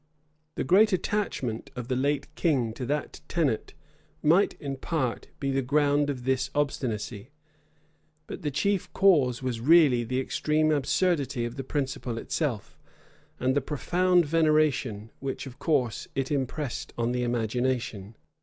[] The great attachment of the late king to that tenet might, in part, be the ground of this obstinacy: but the chief cause was really the extreme absurdity of the principle itself, and the profound veneration, which, of course, it impressed on the imagination.